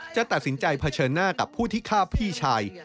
จะตัดสินใจเผชิญหน้ากับผู้ที่ฆ่าพี่ชาย